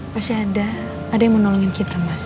pasti ada ada yang mau nolongin kita mas